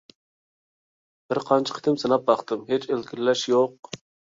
بىر قانچە قېتىم سىناپ باقتىم، ھېچ ئىلگىرىلەش يوق!